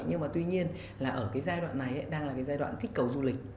nhưng mà tuy nhiên là ở cái giai đoạn này đang là cái giai đoạn kích cầu du lịch